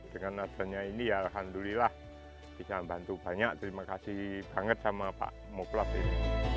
dengan adanya ini ya alhamdulillah bisa bantu banyak terima kasih banget sama pak muplas ini